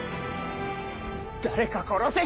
誰か殺せ！